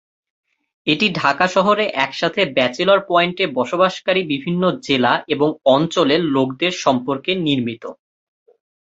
এটি ঢাকা শহরে একসাথে ব্যাচেলর পয়েন্টে বসবাসকারী বিভিন্ন জেলা এবং অঞ্চলের লোকদের সম্পর্কে নির্মিত।